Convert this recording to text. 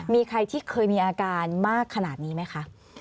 มีใครที่เคยมีอาการมากขนาดนี้ไหมคะ